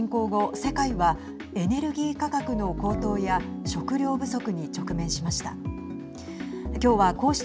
世界はエネルギー価格の高騰や食料不足に直面しました。